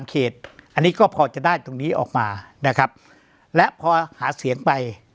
อันนี้ก็พอจะได้ตรงนี้ออกมานะครับและพอหาเสียงไป